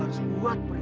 aku sekarang kaya